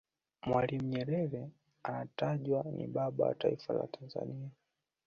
mwalimu nyerere anatajwa ni baba wa taifa la tanzania